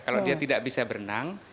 kalau dia tidak bisa berenang